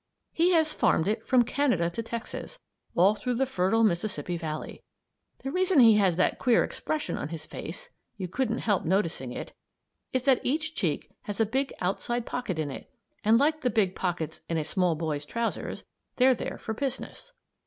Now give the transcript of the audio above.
He has farmed it from Canada to Texas, all through the fertile Mississippi Valley. The reason he has that queer expression on his face you couldn't help noticing it is that each cheek has a big outside pocket in it; and, like the big pockets in a small boy's trousers, they're there for business.